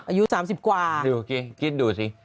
อายุ๓๐กว้าคิดดูนะสิซึ่งอาจจะเอายังไง